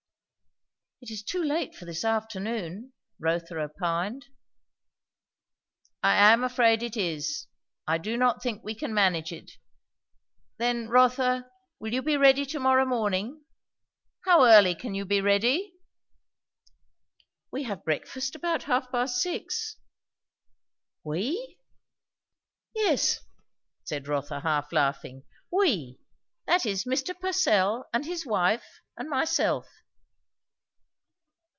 "It is too late for this afternoon," Rotha opined. "I am afraid it is. I do not think we can manage it. Then Rotha, will you be ready to morrow morning? How early can you be ready?" "We have breakfast about half past six." "We?" "Yes," said Rotha half laughing. "We. That is, Mr. Purcell, and his wife, and myself."